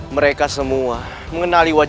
mereka semua mengenali wajahnya